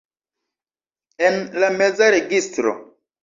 En la meza registro.